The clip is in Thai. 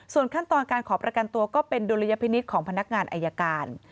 ส่วนขั้นตอนการขอประกันตัวก็เป็นดุลยพินิษฐ์ของพนักงานอายการ